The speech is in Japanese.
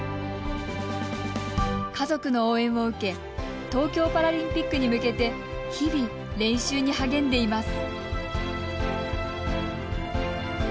家族の応援を受け東京パラリンピックに向けて日々、練習に励んでいます。